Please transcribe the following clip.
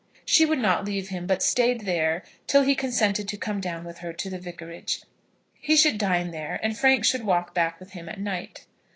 She would not leave him, but stayed there till he consented to come down with her to the Vicarage. He should dine there, and Frank should walk back with him at night.